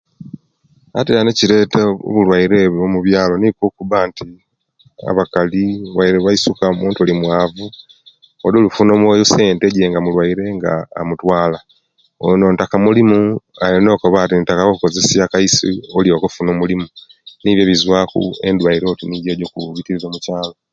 Atyanu ekireta obulwaire obwo mubyalo nikwo okuba nti abakali waire baisuka omuntu olimwazu odi olufuna esente je waaide mulwaire nga amutwala ono ntaka mulimu alina akoba nti ntaka okozesya kaisi olyoke ofune omulimu nibyo ebivaku endwaire oti nijo ejo okubitirira okyalo